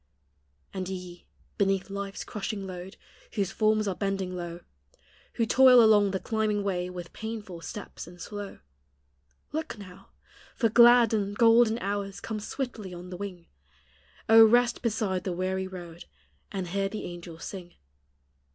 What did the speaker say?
And ye, beneath life's crushing load Whoso forms are bending low; Who toil along the climbing way With painful stops and slow, — Look now! for glad and golden hours Come swiftly on the wing; O, rest beside the weary road, And hear the angels sing.